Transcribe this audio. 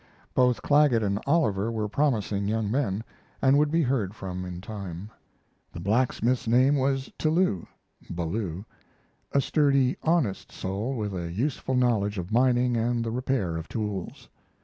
Both Clagget and Oliver were promising young men, and would be heard from in time. The blacksmith's name was Tillou (Ballou), a sturdy, honest soul with a useful knowledge of mining and the repair of tools.